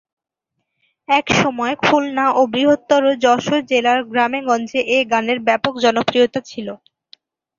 এক সময় খুলনা ও বৃহত্তর যশোর জেলার গ্রামে-গঞ্জে এ গানের ব্যাপক জনপ্রিয়তা ছিল।